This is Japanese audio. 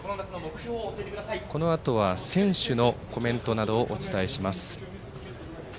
このあとは選手のコメントなどをお伝えします。